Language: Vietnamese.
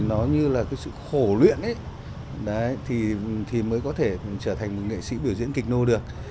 nó như là cái sự khổ luyện ấy thì mới có thể trở thành một nghệ sĩ biểu diễn kịch nô được